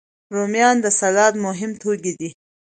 رومیان د سلاد مهم توکي دي